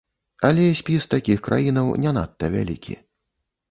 Але спіс такіх краінаў не надта вялікі.